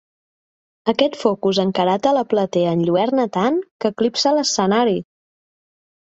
Aquest focus encarat a la platea enlluerna tant, que eclipsa l'escenari!